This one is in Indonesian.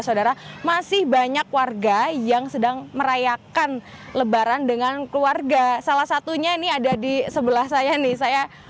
sedang sedang merayakan lebaran dengan keluarga salah satunya ini ada di sebelah saya nih saya